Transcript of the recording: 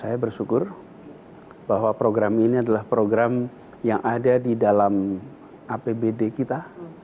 saya bersyukur bahwa program ini adalah program yang ada di dalam apbd kita